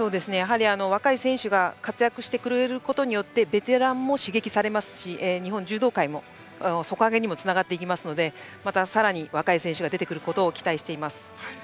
若い選手が活躍してくれることでベテランも刺激されますし日本柔道界の底上げにもつながっていきますのでまたさらに若い選手が出てくれることを期待します。